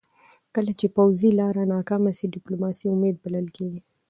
کله چې پوځي لاره ناکامه سي، ډيپلوماسي امید بلل کېږي .